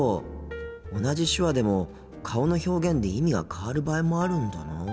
同じ手話でも顔の表現で意味が変わる場合もあるんだなあ。